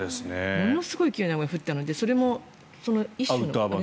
ものすごい勢いの雨が降ったのでそれも一種の。